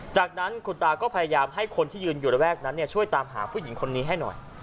จากนั้นคุณตาก็พยายามให้คนที่ยืนอยู่ระแวกนั้นช่วยตามหาผู้หญิงคนนี้ให้หน่อย